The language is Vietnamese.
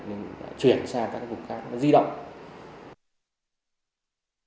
nhưng là chuyển sang các vùng khác nó di động